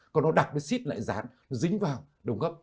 còn nó đặt với xít lại dán nó dính vào đường gấp